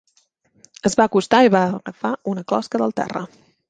Es va acostar i va agafar una closca del terra.